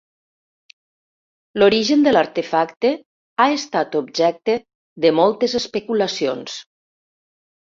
L'origen de l'artefacte ha estat objecte de moltes especulacions.